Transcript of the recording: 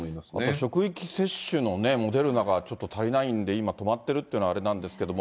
職域接種のモデルナがちょっと足りないんで、今止まっているというのはあれなんですけども。